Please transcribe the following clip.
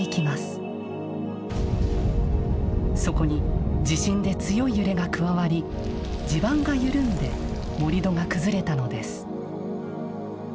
そこに地震で強い揺れが加わり地盤が緩んで盛土が崩れたのです。